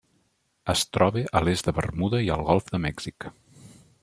Es troba a l'est de Bermuda i al Golf de Mèxic.